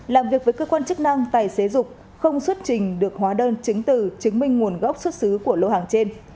làm việc với cơ quan chức năng tài xế dục không xuất trình được hóa đơn chứng từ chứng minh nguồn gốc xuất xứ của lô hàng trên